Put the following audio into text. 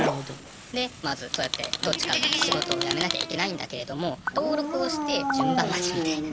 でまずそうやってどっちかが仕事を辞めなきゃいけないんだけれども登録をして順番待ちみたいな。